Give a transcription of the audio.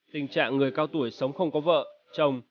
tình trạng người cao tuổi sống không có vợ chồng